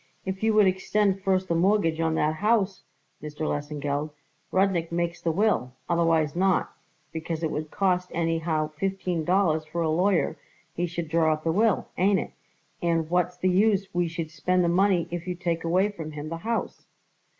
If you would extend first the mortgage on that house, Mr. Lesengeld, Rudnik makes the will, otherwise not; because it would cost anyhow fifteen dollars for a lawyer he should draw up the will, ain't it, and what's the use we should spend the money if you take away from him the house?"